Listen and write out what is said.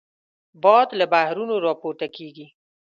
باد له بحرونو راپورته کېږي